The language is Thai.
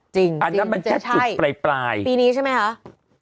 จริงจะใช่ปีนี้ใช่ไหมคะอันนั้นมันแค่จุดปลาย